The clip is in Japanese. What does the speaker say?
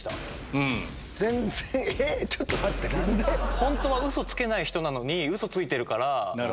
本当はウソつけない人なのにウソついてるから。